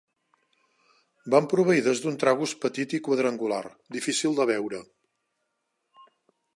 Van proveïdes d'un tragus petit i quadrangular, difícil de veure.